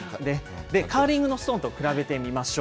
カーリングのストーンと比べてみましょう。